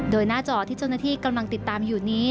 โดยหน้าจอที่เจ้าหน้าที่กำลังติดตามอยู่นี้